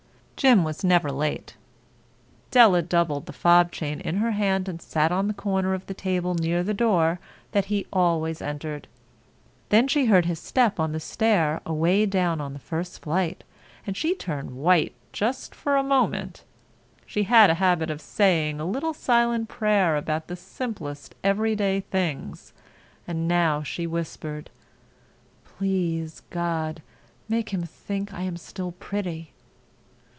Jim was never late. Della doubled the fob chain in her hand and sat on the corner of the table near the door that he always entered. Then she heard his step on the stair away down on the first flight, and she turned white for just a moment. She had a habit of saying a little silent prayer about the simplest everyday things, and now she whispered: "Please God, make him think I am still pretty."